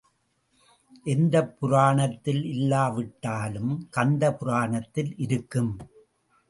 எந்தப் புராணத்தில் இல்லாவிட்டாலும் கந்த புராணத்தில் இருக்கும்.